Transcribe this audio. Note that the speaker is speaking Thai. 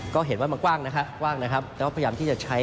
ก็เห็นว่ามันกว้างนะครับแล้วพยายามที่จะใช้